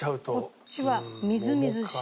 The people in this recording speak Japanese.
こっちはみずみずしい。